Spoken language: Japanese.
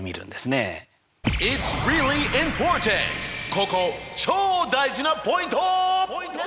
ここチョー大事なポイント！